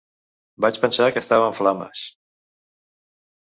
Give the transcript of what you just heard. Vaig pensar que estava en flames!